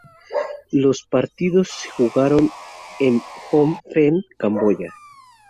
Los partidos se jugaron en Phnom Penh, Camboya.